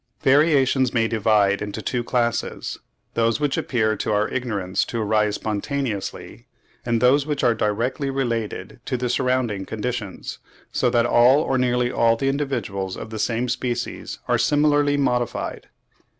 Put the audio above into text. Variations may be divided into two classes; those which appear to our ignorance to arise spontaneously, and those which are directly related to the surrounding conditions, so that all or nearly all the individuals of the same species are similarly modified.